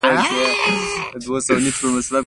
قلم د کور، مکتب او دفتر غړی دی